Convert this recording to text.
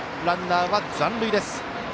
ランナーは残塁です。